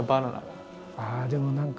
ああでも何か。